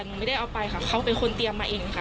หนูไม่ได้เอาไปค่ะเขาเป็นคนเตรียมมาเองค่ะ